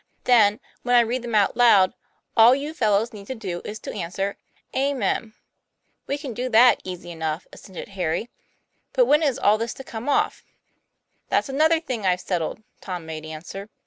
Then, when I read them out loud, all you fellows need do is to answer, ^ Amen. ' "We can do that easy enough," assented Harry. " But when is all this to come off?" "That's another thing I've settled," Tom made answer.